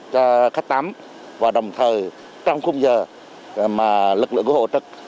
cho khách tắm và đồng thời trong khung giờ mà lực lượng của hộ trực